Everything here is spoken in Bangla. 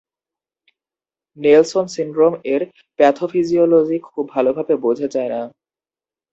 নেলসন সিন্ড্রোম এর প্যাথোফিজিওলজি খুব ভালভাবে বোঝা যায় না।